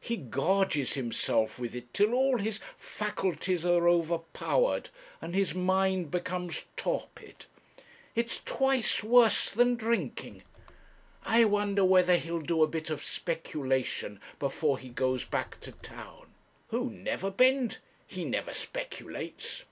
He gorges himself with it till all his faculties are overpowered and his mind becomes torpid. It's twice worse than drinking. I wonder whether he'll do a bit of speculation before he goes back to town.' 'Who, Neverbend? he never speculates!'